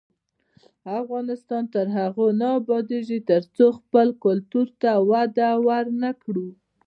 افغانستان تر هغو نه ابادیږي، ترڅو خپل کلتور ته وده ورنکړو.